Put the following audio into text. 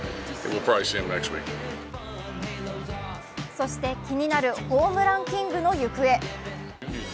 そして気になるホームランキングの行方。